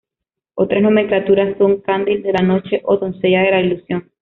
Otras nomenclaturas son "Candil de la Noche" o "Doncella de la Ilusión".